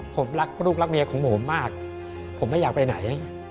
ผมรักลูกรักเมียของผมมากผมไม่อยากไปไหน